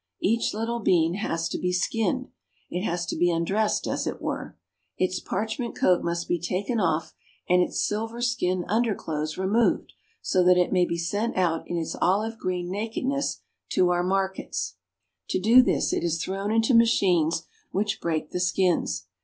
Each little bean has to be skinned. It has to be 'undressed, as it were. Its parchment coat must be taken off, and its silver skin underclothes removed, so that it may be sent out in its olive green nakedness to our mar kets. To do this it is thrown into machines which break the skins.